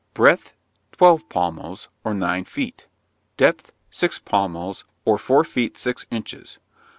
Breadth, twelve palmos, or nine feet. Depth, six palmos, or four feet six inches.